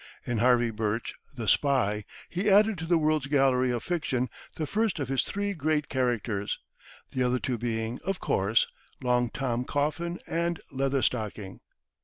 In Harvey Birch, the spy, he added to the world's gallery of fiction the first of his three great characters, the other two being, of course, Long Tom Coffin and Leatherstocking.